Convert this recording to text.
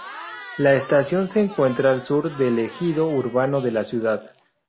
La estación se encuentra al sur del ejido urbano de la ciudad.